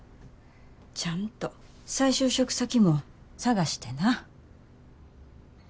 ちゃんと再就職先も探してな。